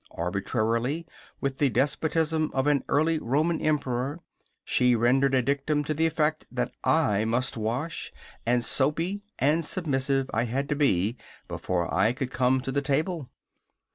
Arbitrarily, with the despotism of an early Roman Emperor, she rendered a dictum to the effect that I must wash, and soapy and submissive I had to be before I could come to the table.